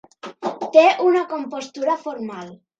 Té una compostura formal.